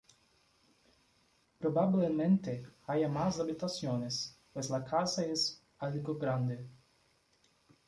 Probablemente haya más habitaciones, pues la casa es algo grande.